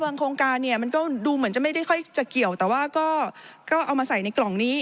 โครงการเนี่ยมันก็ดูเหมือนจะไม่ได้ค่อยจะเกี่ยวแต่ว่าก็เอามาใส่ในกล่องนี้